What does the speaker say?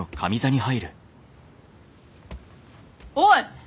おい！